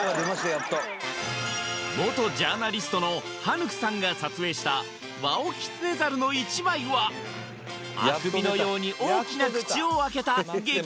やっと元ジャーナリストのハヌクさんが撮影したワオキツネザルの一枚はあくびのように大きな口を開けた激